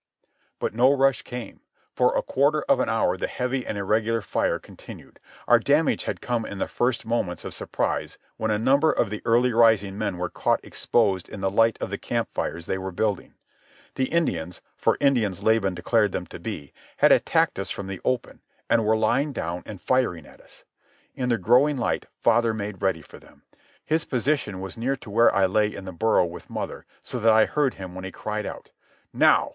But no rush came. For a quarter of an hour the heavy and irregular firing continued. Our damage had come in the first moments of surprise when a number of the early rising men were caught exposed in the light of the campfires they were building. The Indians—for Indians Laban declared them to be—had attacked us from the open, and were lying down and firing at us. In the growing light father made ready for them. His position was near to where I lay in the burrow with mother so that I heard him when he cried out: "Now!